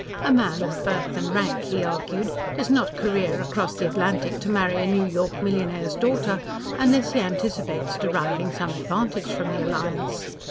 A man of birth and rank, he argued, does not career across the Atlantic to marry a New York millionaire's daughter unless he anticipates deriving some advantage from the alliance.